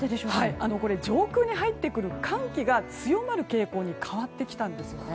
上空に入ってくる寒気が強まる傾向に変わってきたんですよね。